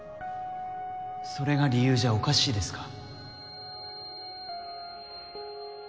それが理由じゃおかしいですか？